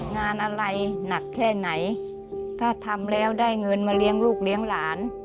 งานอะไรหนักแค่ไหนถ้าทำแล้วได้เงินมาเลี้ยงลูกเลี้ยงหลาน